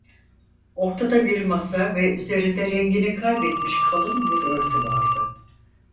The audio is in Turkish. Ortada bir masa ve üzerinde rengini kaybetmiş kalın bir örtü vardı.